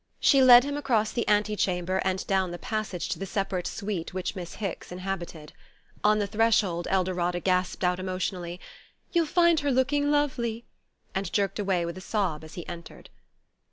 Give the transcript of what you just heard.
She led him across the ante chamber and down the passage to the separate suite which Miss Hicks inhabited. On the threshold Eldorada gasped out emotionally: "You'll find her looking lovely " and jerked away with a sob as he entered.